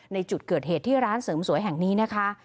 ในจุดเกิดเหตุที่ร้านเสริมสวยแห่งนี้นะคะ